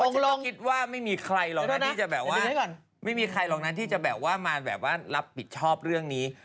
คิดว่าไม่มีใครหรอกนะที่จะแบบว่าไม่มีใครหรอกนะที่จะแบบว่ามาแบบว่ารับผิดชอบเรื่องนี้